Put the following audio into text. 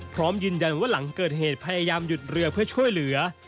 พร้อมยืนยันว่าหลังเกิดเหตุพยายามหยุดเรือเพื่อช่วยเหลือ